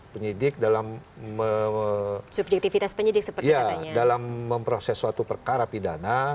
penyidik dalam memproses suatu perkara pidana